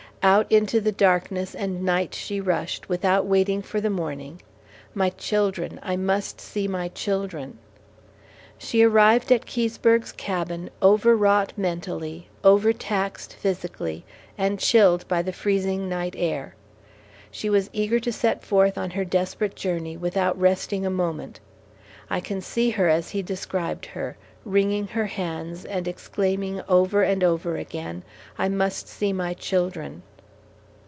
Out into the darkness and night she rushed, without waiting for the morning. "My children, I must see my children!" She arrived at Keseberg's cabin, overwrought mentally, overtaxed physically, and chilled by the freezing night air. She was eager to set forth on her desperate journey without resting a moment. I can see her as he described her, wringing her hands and exclaiming over and over again, "I must see my children!"